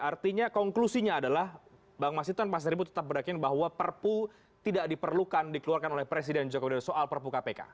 artinya konklusinya adalah bang masjidon pak seribu tetap berdakin bahwa perpu tidak diperlukan dikeluarkan oleh presiden jokowi soal perpu kpk